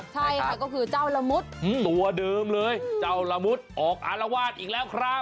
ใช่ค่ะก็คือเจ้าละมุดตัวเดิมเลยเจ้าละมุดออกอารวาสอีกแล้วครับ